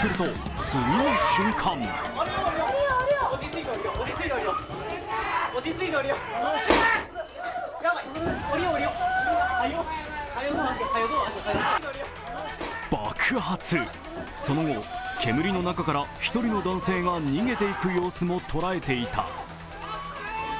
すると、次の瞬間爆発、その後、煙の中から１人の男性が逃げていく様子も捉えていた。